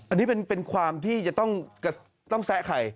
อันนี้เป็นเป็นความที่จะต้องกระต้องแซะใคร